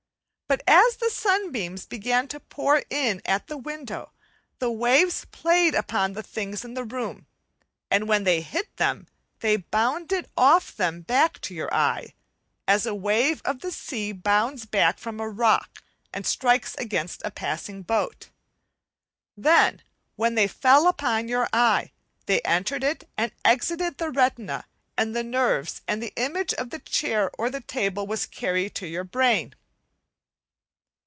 But as the sunbeams began to pour in at the window, the waves played upon the things in the room, and when they hit them they bounded off them back to your eye, as a wave of the sea bounds back from a rock and strikes against a passing boat. Then, when they fell upon your eye, they entered it and excited the retina and the nerves, and the image of the chair or the table was carried to your brain.